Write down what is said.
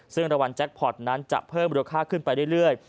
ซึ่งรางวัลแจ็คพอร์ตนั้นจะเพิ่มมูลค่าขึ้นไปเรื่อย